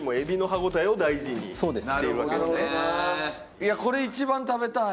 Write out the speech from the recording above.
いやこれ一番食べたい！